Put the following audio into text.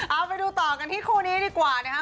เอาไปดูต่อกันที่คู่นี้ดีกว่านะครับ